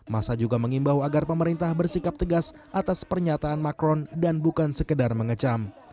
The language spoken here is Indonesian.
masa juga mengimbau agar pemerintah bersikap tegas atas pernyataan macron dan bukan sekedar mengecam